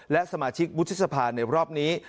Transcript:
และสมาชิกวุฒิสภาในรอบนี้